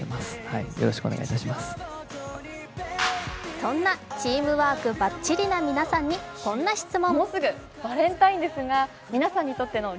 そんなチームワークばっちりな皆さんにこんな質問。